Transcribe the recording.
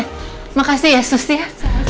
terima kasih ya sus ya